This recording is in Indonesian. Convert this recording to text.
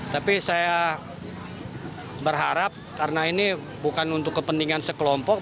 tapi saya berharap karena ini bukan untuk kepentingan sekelompok